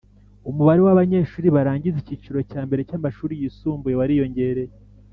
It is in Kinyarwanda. Umubare w’abanyeshuri barangiza icyiciro cya mbere cy’amashuri yisumbuye wariyongereye